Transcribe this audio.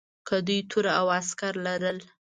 که دوی توره او عسکر لرل.